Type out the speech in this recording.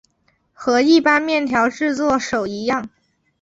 和一般面条制作手一样。